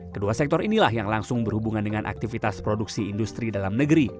kedua sektor inilah yang langsung berhubungan dengan aktivitas produksi industri dalam negeri